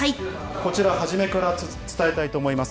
こちら初めから伝えたいと思います。